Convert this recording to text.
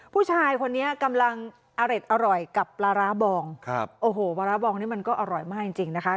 ผู้ชายคนนี้กำลังอร่อยกับปลาร้าบองปลาร้าบองนี่มันก็อร่อยมากจริงนะคะ